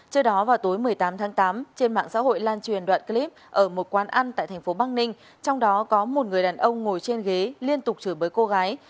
trước đó vào tối một mươi tám tháng tám trên mạng xã hội lan truyền đoạn clip ở một quán ăn tại thành phố bắc ninh trong đó có một người đàn ông ngồi trên ghế liên tục chửi bới cô gái